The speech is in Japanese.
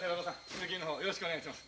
次のをよろしくお願いします。